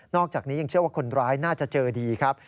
อกจากนี้ยังเชื่อว่าคนร้ายน่าจะเจอดีครับ